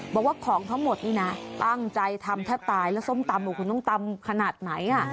บอกว่าของทั้งหมดนี่นะตั้งใจทำแทบตายแล้วส้มตำของคุณต้องตำขนาดไหน